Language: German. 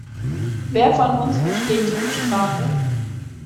Wer von uns versteht diese Sprache?